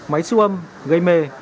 máy su âm gây mê